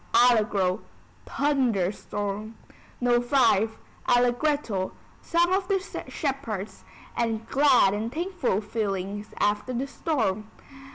Allegro: Thunder storm. No. V. Allegretto: Song of the Shepherds, and glad and thankful feelings after the storm.